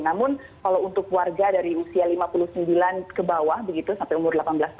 namun kalau untuk warga dari usia lima puluh sembilan ke bawah begitu sampai umur delapan belas